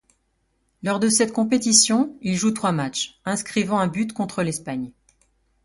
Lors de cette compétition, il joue trois matchs, inscrivant un but contre l'Espagne.